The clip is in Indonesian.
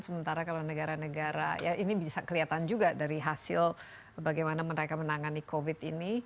sementara kalau negara negara ya ini bisa kelihatan juga dari hasil bagaimana mereka menangani covid ini